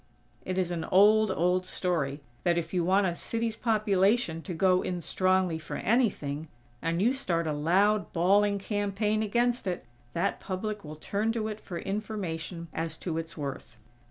It is an old, old story, that if you want a city's population to go in strongly for anything, and you start a loud, bawling campaign against it, that public will turn to it for information as to its worth.